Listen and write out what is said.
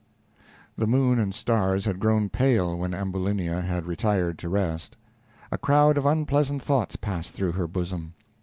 The moon and stars had grown pale when Ambulinia had retired to rest. A crowd of unpleasant thoughts passed through her bosom.